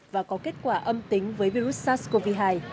và có kết quả âm tính với virus sars cov hai